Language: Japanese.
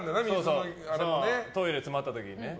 トイレ詰まった時にね。